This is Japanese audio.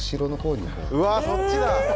うわそっちだ！